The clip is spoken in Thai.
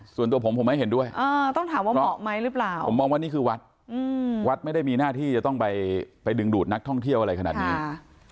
ส่วนตัวผมไม่เห็นด้วยผมมองว่านี่คือวัฒน์วัฒน์ไม่ได้มีหน้าที่จะต้องไปดึงดูดนักท่องเที่ยวอะไรขนาดนี้